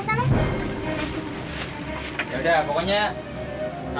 nggak enak kalau nggak ada yang ganggu